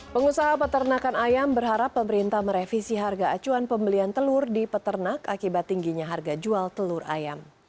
pengusaha peternakan ayam berharap pemerintah merevisi harga acuan pembelian telur di peternak akibat tingginya harga jual telur ayam